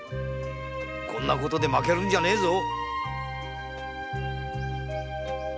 こんな事で負けるんじゃねぇぞ！